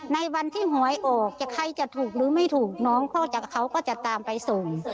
ในวันที่หวยออกใครจะถูกหรือไม่ถูกน้องเขาก็จะตามไปส่ง